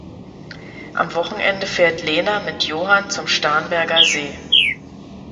Am Wochenende fährt Lena mit Johan zum Starnberger See.